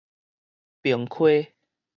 平溪